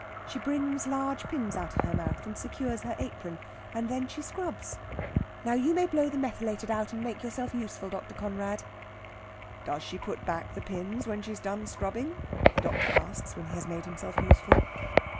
She brings large pins out of her mouth and secures her apron. And then she scrubs. Now you may blow the methylated out and make yourself useful, Dr. Conrad." "Does she put back the pins when she's done scrubbing?" the doctor asks, when he has made himself useful.